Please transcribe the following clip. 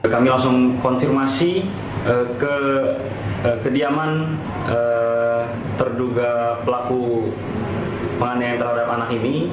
kami langsung konfirmasi ke kediaman terduga pelaku penganiayaan terhadap anak ini